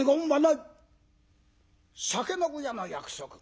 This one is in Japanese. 酒の上の約束。